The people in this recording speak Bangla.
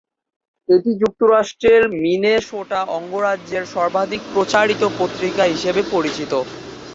এটি যুক্তরাষ্ট্রের মিনেসোটা অঙ্গরাজ্যের সর্বাধিক প্রচারিত পত্রিকা হিসেবে পরিচিত।